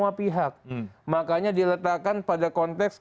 sebagai pengarah ini ya sebagai haluan pembangunan nasional yang bisa dipahami oleh semua